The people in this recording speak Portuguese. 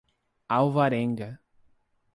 Alvarenga